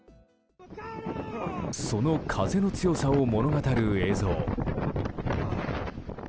その風の強さを物語る映像。